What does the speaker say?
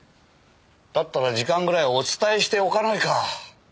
だったら時間ぐらいお伝えしておかないか。